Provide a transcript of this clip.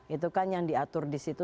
itu kan yang diatur di situ